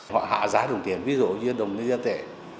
họ hạ giá đồng tiền ví dụ như đồng nhân dân tệ